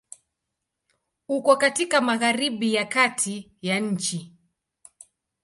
Uko katika Magharibi ya kati ya nchi.